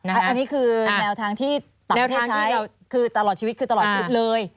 อันนี้คือแนวทางที่ต่างประเทศใช้คือตลอดชีวิตคือตลอดชีวิตเลย